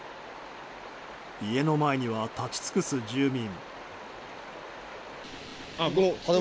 家の前には、立ち尽くす住民。